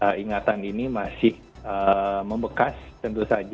jadi bagaimana penyediaan lokasi pengungsi bagi warga sampai dengan malam hari ini